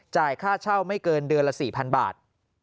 ค่าเช่าไม่เกินเดือนละ๔๐๐๐บาท